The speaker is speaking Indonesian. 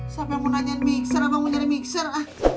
siapa yang mau nanyain mixer abang mau nyari mixer